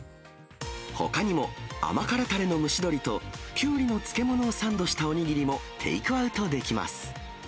ほかにも甘辛たれの蒸し鶏と、キュウリの漬物をサンドしたお握りもテイクアウトできます。